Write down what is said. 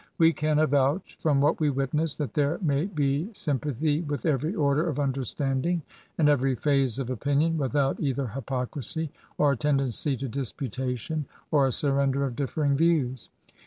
We can avouch, from what we witness, that there may be sympa thy with erery order of understanding and erery phase of opinion, without either hypocrisy, or tendency to disputation, or a surrender of differing views.